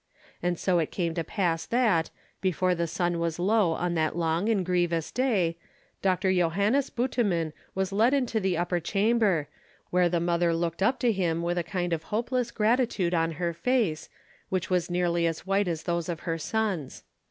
And so it came to pass that, before the sun was low on that long and grievous day, Doctor Johannes Butteman was led into the upper chamber, where the mother looked up to him with a kind of hopeless gratitude on her face, which was nearly as white as those of her sons.